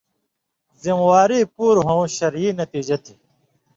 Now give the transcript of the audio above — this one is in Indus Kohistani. ذمہ واری پُوریۡ ہوں شرعی نتیجہ تھی۔